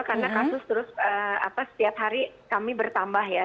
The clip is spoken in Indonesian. karena kasus terus setiap hari kami bertambah ya